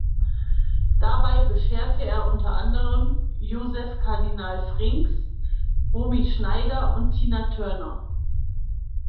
Dabei bescherte er unter anderem Joseph Kardinal Frings, Romy Schneider und Tina Turner.